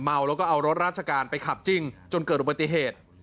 เมาแล้วก็เอารถราชการไปขับจริงจนเกิดอุบัติเหตุ